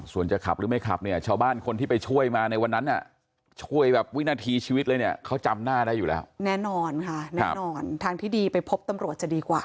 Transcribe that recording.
ส่วนจะขับหรือไม่ขับเนี่ย